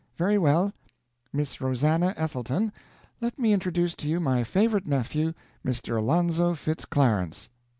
"Very well. Miss Rosannah Ethelton, let me introduce to you my favorite nephew, Mr. Alonzo Fitz Clarence.